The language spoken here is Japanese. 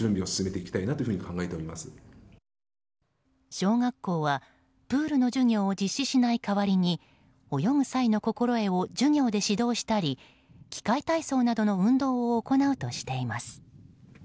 小学校はプールの授業を実施しない代わりに泳ぐ際の心得を授業で指導したり器械体操などの運動を行うとしています。